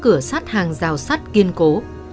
cửa sắt hàng rào sắt kiên cố